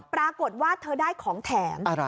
ปรากฏว่าเธอได้ของแถม